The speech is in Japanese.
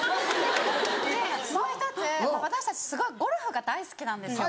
でもう１つ私たちすごいゴルフが大好きなんですよ。